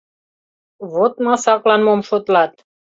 Вот масаклан мом шотлат!»